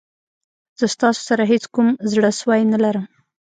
زه ستاسو سره هېڅ کوم زړه سوی نه لرم.